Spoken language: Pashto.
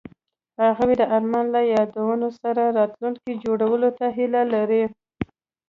هغوی د آرمان له یادونو سره راتلونکی جوړولو هیله لرله.